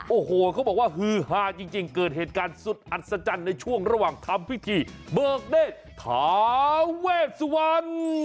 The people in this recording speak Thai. โอ้โหเขาบอกว่าฮือฮาจริงเกิดเหตุการณ์สุดอัศจรรย์ในช่วงระหว่างทำพิธีเบิกเนธถาเวชสุวรรณ